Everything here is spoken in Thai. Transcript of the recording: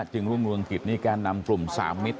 รุ่งเรืองกิจนี่แกนนำกลุ่มสามมิตร